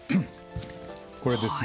これですね。